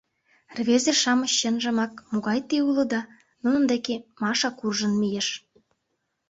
— Рвезе-шамыч, чынжымак, могай те улыда... — нунын деке Маша куржын мийыш.